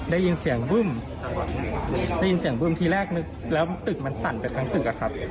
ได้ยินเสียงบึ้มได้ยินเสียงบึ้มทีแรกนึกแล้วตึกมันสั่นไปทั้งตึกอะครับ